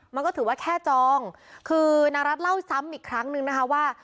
มันก็ถือว่าแค่จองคือนางรัฐเล่าซ้ำอีกครั้งนึงนะคะว่า